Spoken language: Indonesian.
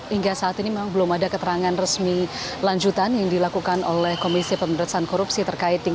hingga saat ini memang belum ada keterangan resmi lanjutan yang dilakukan oleh komisi pemerintahan korupsi terkait